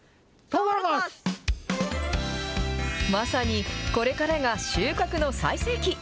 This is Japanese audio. まさに、これからが収穫の最盛期。